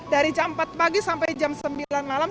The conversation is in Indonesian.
dari jam empat pagi sampai jam sembilan malam